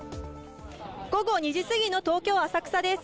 午後２時過ぎの東京・浅草です。